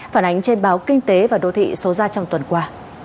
phản ánh trên báo kinh tế và đô thị số ra trong tuần qua